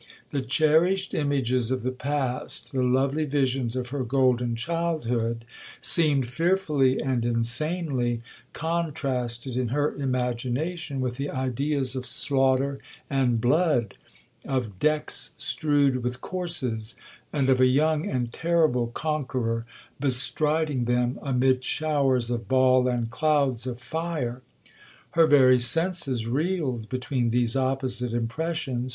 The cherished images of the past,—the lovely visions of her golden childhood,—seemed fearfully and insanely contrasted in her imagination with the ideas of slaughter and blood,—of decks strewed with corses,—and of a young and terrible conqueror bestriding them amid showers of ball and clouds of fire. Her very senses reeled between these opposite impressions.